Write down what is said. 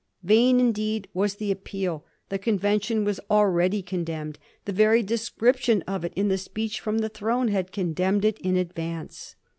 Vain, indeed, was the appeal ; the conven tion was already condemned. The very description of it in the speech from the throne had condemned it in ad vance.